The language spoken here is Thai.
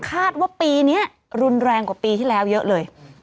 คาดว่าปีนี้รุนแรงกว่าปีที่แล้วเยอะเลย